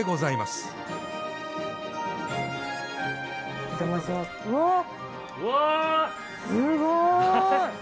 すごい！